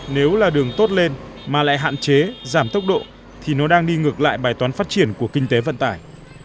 nếu là đường tốt lên mà lại hạn chế giảm tốc độ thì nó đang đi ngược lại bài toán phát triển của kinh tế vận tải